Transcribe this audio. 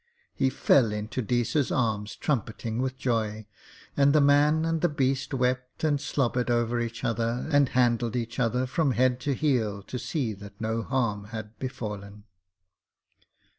He fell into Deesa's arms trumpeting with joy, and the man and beast wept and slobbered over each other, and handled each other from head to heel to see that no harm had befallen.